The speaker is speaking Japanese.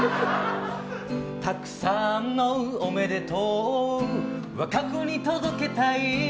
たくさんのおめでとうを和歌子に届けたい。